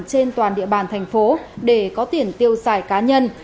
trên toàn địa bàn thành phố để có tiền tiêu xài cá nhân